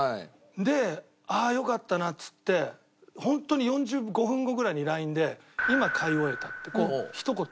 で「ああよかったな」っつってホントに４５分後ぐらいにＬＩＮＥで「今買い終えた」ってひと言。